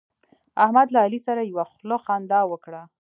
احمد له علي سره یوه خوله خندا وکړه.